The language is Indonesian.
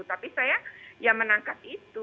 tapi saya ya menangkap itu